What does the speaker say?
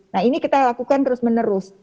nah ini kita lakukan terus menerus